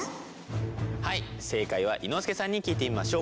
はい正解は伊之助さんに聞いてみましょう！